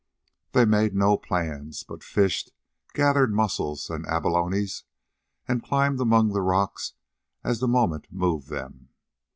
They made no plans, but fished, gathered mussels and abalones, and climbed among the rocks as the moment moved them.